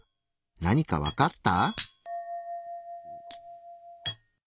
何かわかった？